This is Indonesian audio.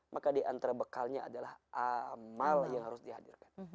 maka diantara bekalnya adalah amal yang harus dihadirkan